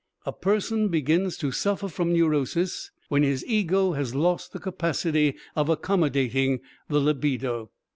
A person begins to suffer from neurosis when his ego has lost the capacity of accommodating the libido.